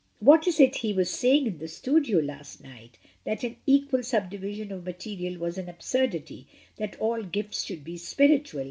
"What is it he was saying in the studio last night, that an equal subdivision of material was an absurdity — that all gifts should be spiritual